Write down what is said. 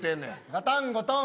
ガタンゴトン。